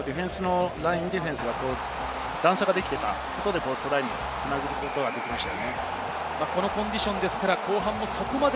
ラインディフェンスが段差ができていたことで、トライに繋げることができました。